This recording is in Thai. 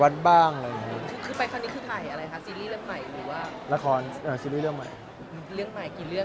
คืออะไรค่ะซีรีส์เรื่องใหม่